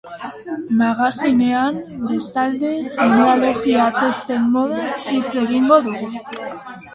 Magazinean, bestalde, genealogia testen modaz hitz egingo dugu.